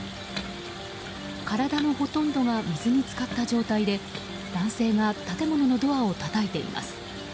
体のほとんどが水に浸かった状態で男性が建物のドアをたたいています。